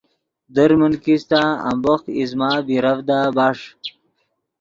در من کیستہ امبوخ ایزمہ بیرڤدا بݰ